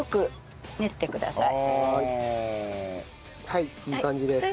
はいいい感じです。